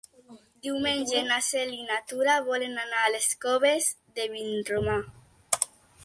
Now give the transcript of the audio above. Diumenge na Cel i na Tura volen anar a les Coves de Vinromà.